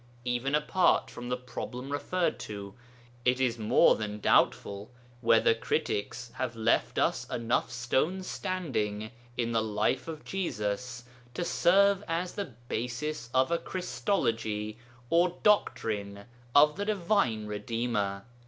Even apart from the problem referred to, it is more than doubtful whether critics have left us enough stones standing in the life of Jesus to serve as the basis of a christology or doctrine of the divine Redeemer.